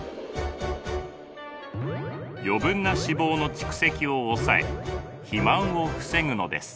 余分な脂肪の蓄積を抑え肥満を防ぐのです。